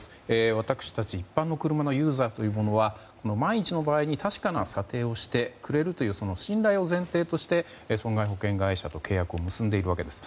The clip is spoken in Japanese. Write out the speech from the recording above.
私たち、一般の車のユーザーというものは万一の場合に確かな査定をしてくれるという信頼を前提として損害保険会社と契約を結んでいるわけです。